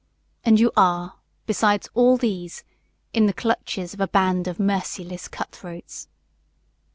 And you are, besides all these, in the clutches of a band of merciless cutthroats."